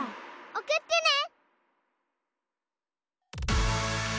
おくってね！